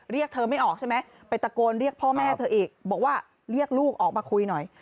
เรียกเธอไม่ออกใช่ไหมไปตะโกนเรียกพ่อแม่เธออีกบอกว่าเรียกลูกออกมาคุยหน่อย